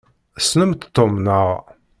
Tessnemt Tom, naɣ?